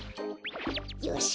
よし。